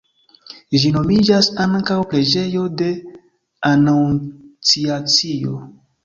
Ĝi nomiĝas ankaŭ "preĝejo de Anunciacio".